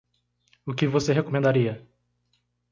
O que você recomendaria?